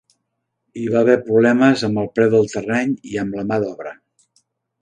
Hi va haver problemes amb el preu del terreny i amb la mà d'obra.